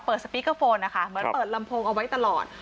สปีกเกอร์โฟนนะคะเหมือนเปิดลำโพงเอาไว้ตลอด